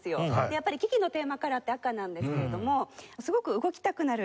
やっぱりキキのテーマカラーって赤なんですけれどもすごく動きたくなる。